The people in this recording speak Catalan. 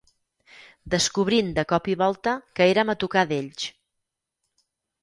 Descobrint de cop i volta que érem a tocar d'ells